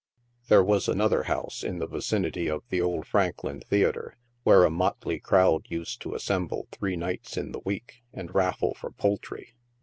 There was another house, in the vicinity of the old Franklin Theatre, where a motley crowd used to assemble three nights in the week, and raffle for poultry.